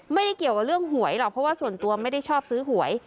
ไม่ได้เกี่ยวกับเรื่องหวยหรอกเพราะว่าส่วนตัวไม่ได้ชอบซื้อหวย